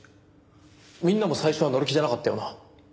みんなも最初は乗り気じゃなかったよな。